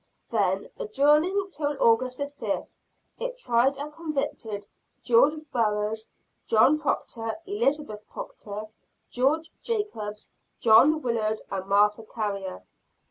Then, adjourning till August 5th, it tried and convicted George Burroughs, John Procter, Elizabeth Procter, George Jacobs, John Willard and Martha Carrier.